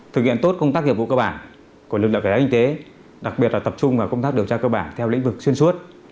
thực hiện tốt công tác nghiệp vụ cơ bản của lực lượng cảnh sát kinh tế đặc biệt là tập trung vào công tác điều tra cơ bản theo lĩnh vực xuyên suốt